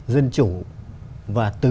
dân chủ và từ